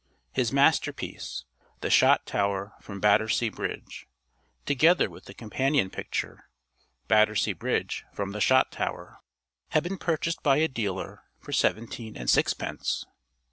His masterpiece, "The Shot Tower from Battersea Bridge," together with the companion picture "Battersea Bridge from the Shot Tower," had been purchased by a dealer for seventeen and sixpence.